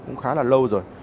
cũng khá là lâu rồi